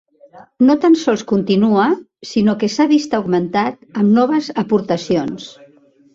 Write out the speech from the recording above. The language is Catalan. No tan sols continua, sinó que s'ha vist augmentat amb noves aportacions.